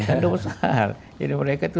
kandung besar jadi mereka itu